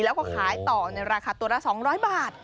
แล้วก็ขายต่อในราคาตัวละ๒๐๐บาท